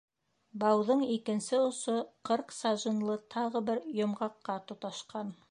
Бауҙың, икенсе осо ҡырҡ сажинлы тағы бер йомғаҡҡа тоташҡан.